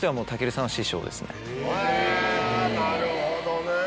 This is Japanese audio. へぇなるほどね。